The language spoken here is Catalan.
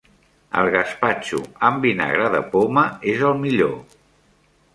El gaspatxo amb vinagre de poma és el millor.